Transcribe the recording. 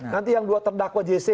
nanti yang dua terdakwa jc